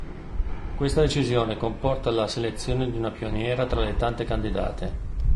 Questa decisione comporta la selezione di una pioniera tra le tante candidate.